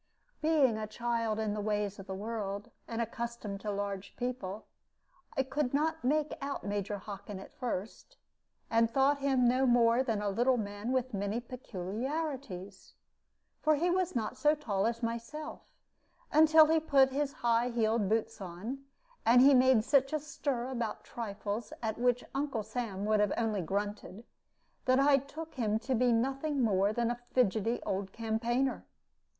Being a child in the ways of the world, and accustomed to large people, I could not make out Major Hockin at first, and thought him no more than a little man with many peculiarities. For he was not so tall as myself, until he put his high heeled boots on, and he made such a stir about trifles at which Uncle Sam would have only grunted, that I took him to be nothing more than a fidgety old campaigner.